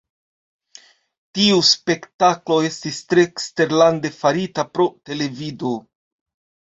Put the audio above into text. Tio spektalo estis tre eksterlande farita pro televido.